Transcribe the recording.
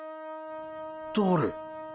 誰？